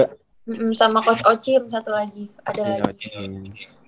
oh cim satu lagi